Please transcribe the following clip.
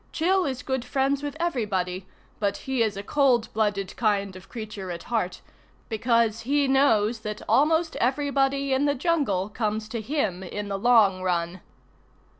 Chil is good friends with everybody, but he is a cold blooded kind of creature at heart, because he knows that almost everybody in the Jungle comes to him in the long run.